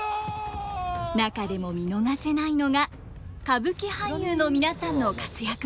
中でも見逃せないのが歌舞伎俳優の皆さんの活躍ぶり。